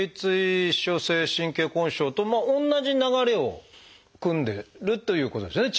頚椎症性神経根症と同じ流れをくんでるということですよね